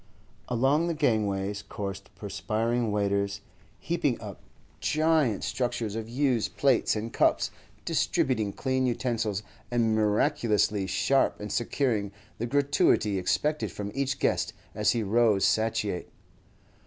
Along the gangways coursed perspiring waiters, heaping up giant structures of used plates and cups, distributing clean utensils, and miraculously sharp in securing the gratuity expected from each guest as he rose satiate.